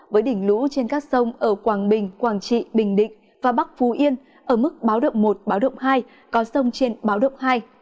với đỉnh lũ trên các sông ở quảng bình quảng trị bình định và bắc phú yên ở mức báo động một báo động hai có sông trên báo động hai